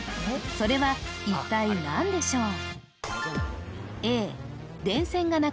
それは一体何でしょう？